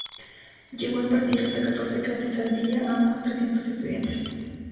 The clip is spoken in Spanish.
Llegó a impartir hasta catorce clases al día a unos trescientos estudiantes.